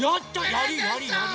やりやりやり！